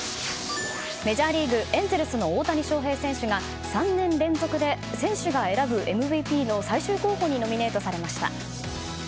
メジャーリーグ、エンゼルスの大谷翔平選手が３年連続で選手が選ぶＭＶＰの最終候補にノミネートされました。